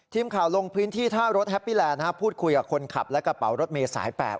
ทีมข่าวลงพื้นที่ท่ารถแฮปปี้แลนด์พูดคุยกับคนขับและกระเป๋ารถเมย์สาย๘